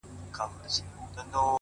چي څرنگه تصوير به مصور ته په لاس ورسي!!